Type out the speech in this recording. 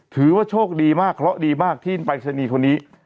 ถือว่าโชคดีมากเข้ารอดีมากที่ใบเซนนีคนนี้